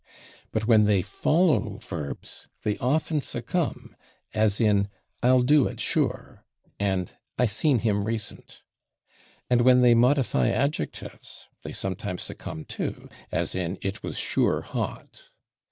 But when they follow verbs they often succumb, as in "I'll do it /sure/" and "I seen him /recent/." And when they modify adjectives they sometimes succumb, too, as in "it was /sure/ hot."